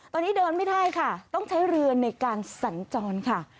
ตอนนี้เดินไม่ได้ค่ะต้องใช้เรือในการสัญจรค่ะ